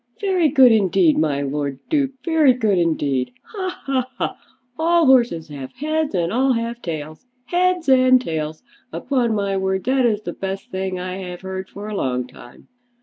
"Very good indeed, my Lord Duke; very good indeed! Ha, ha, ha! all horses have heads, and all have tails! Heads and tails. Upon my word that is the best thing I have heard for a long time.